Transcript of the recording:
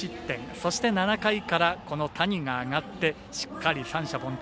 そして、７回から、谷が上がってしっかり三者凡退。